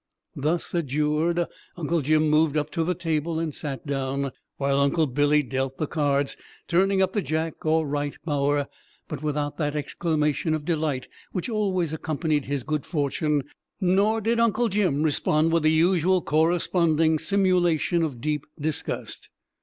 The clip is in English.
Thus adjured, Uncle Jim moved up to the table and sat down, while Uncle Billy dealt the cards, turning up the Jack or right bower but without that exclamation of delight which always accompanied his good fortune, nor did Uncle Jim respond with the usual corresponding simulation of deep disgust.